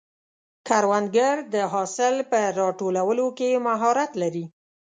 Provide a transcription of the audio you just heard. کروندګر د حاصل په راټولولو کې مهارت لري